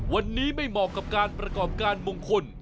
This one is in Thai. วันนี้ไม่เหมาะกับการประกอบการมงคล